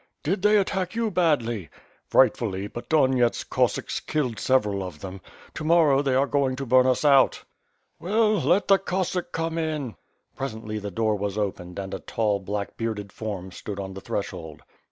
"Did they attack you badly?" "Frightfully, but Donyets's Cossacks killed several of them. To morrow they are going to bum us out." WITH FIRE AND SWORD. 589 "Well, let the Cossack come in." Presently the door was opened and a tall, black bearded form stood on the threshold.